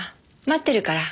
待ってるから。